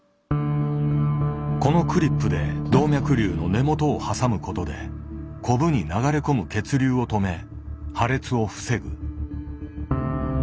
このクリップで動脈瘤の根元を挟むことでコブに流れ込む血流を止め破裂を防ぐ。